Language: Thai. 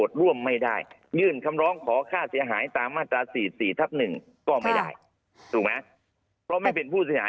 เชิญขเรือนฮะ